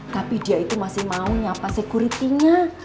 tapi dia itu masih mau nyapa security nya